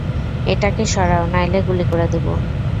এটাকে সরাও, নাইলে গুলি করে দিবো।